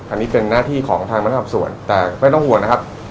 อันนี้เป็นหน้าที่ของทางบรรทับส่วนแต่ไม่ต้องห่วงนะครับ